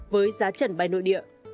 với giá trần bay nội địa